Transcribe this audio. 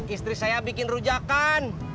istri saya bikin rujakan